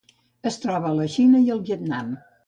Es troba a la Xina i al Vietnam.